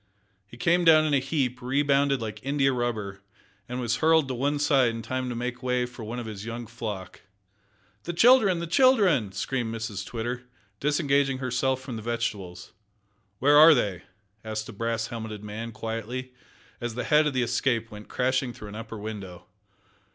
He came down in a heap, rebounded like india rubber, and was hurled to one side in time to make way for one of his young flock. "The children! the children!" screamed Mrs Twitter, disengaging herself from the vegetables. "Where are they?" asked a brass helmeted man, quietly, as the head of the Escape went crashing through an upper window.